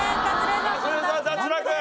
カズレーザー脱落。